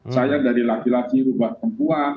saya dari laki laki rupa pempua